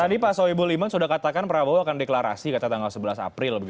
tadi pak soebu liman sudah katakan prabowo akan deklarasi ke tanggal sebelas april